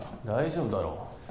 大丈夫だろ。